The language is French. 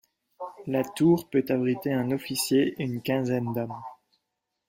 La tour peut abriter un officier et une quinzaine d'hommes.